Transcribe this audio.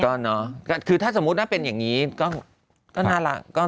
ก็คือถ้าสมมุติว่าเป็นอย่างนี้ก็น่ารัก